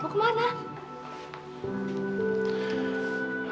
aku mau cari sita